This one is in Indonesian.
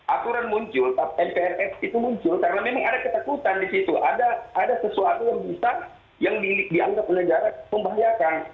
aturan muncul mprs itu muncul karena memang ada ketakutan di situ ada sesuatu yang bisa yang dianggap negara membahayakan